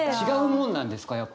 違うものなんですか？